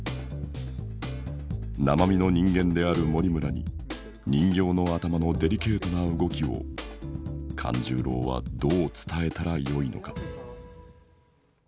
生身の人間である森村に人形の頭のデリケートな動きを勘十郎はどう伝えたらよいのか？